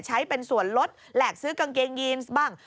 ใช้เป็นส่วนลดแหลกซื้อกางเกงยีนบ้าง